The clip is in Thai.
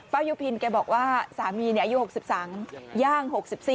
ยุพินแกบอกว่าสามีอายุ๖๓ย่าง๖๔